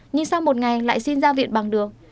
nhưng sau một ngày lại xin ra viện bằng đường